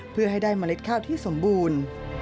เพื่อให้ได้เมล็ดข้าวที่สมบูรณ์